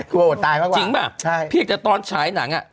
กลัวอดตายปักป่ะใช่จริงปะพีท์แต่ตอนใช้หนังอะ